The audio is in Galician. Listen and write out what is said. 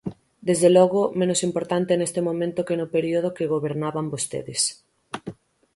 Desde logo, menos importante neste momento que no período que gobernaban vostedes.